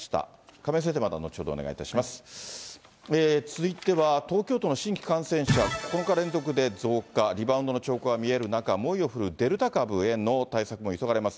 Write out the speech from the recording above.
亀井先生、続いては、東京都の新規感染者、９日連続で増加、リバウンドの兆候が見れる中、猛威を振るうデルタ株への対策も急がれます。